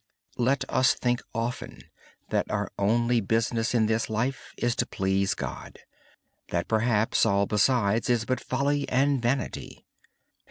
Let us often consider that our only business in this life is to please God, that perhaps all besides is but folly and vanity.